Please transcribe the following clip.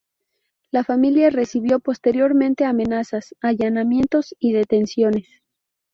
La familia recibió posteriormente amenazas, allanamientos y detenciones.